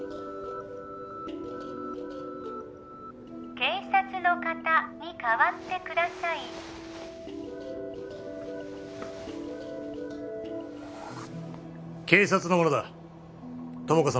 警察の方に代わってください警察の者だ友果さん